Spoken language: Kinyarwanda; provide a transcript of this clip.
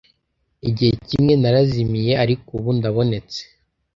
Igihe kimwe narazimiye Ariko ubu ndabonetse